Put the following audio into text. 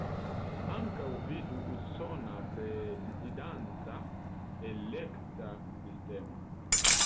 Ankaŭ vidu Usona Prezidanta Elekta Sistemo.